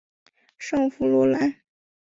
圣弗洛兰。